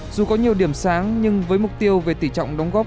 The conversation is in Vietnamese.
dù có nhiều điểm sáng nhưng với mục tiêu về tỉ trọng đóng góp